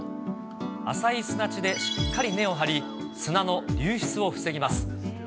浅い砂地でしっかり根を張り、砂の流出を防ぎます。